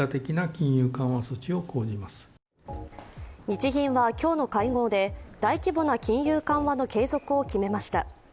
日銀は今日の会合で大規模な金融緩和の継続を決めました。